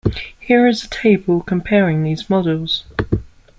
Here is a table comparing these models.